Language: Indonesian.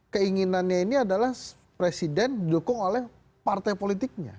keinginannya ini adalah presiden didukung oleh partai politiknya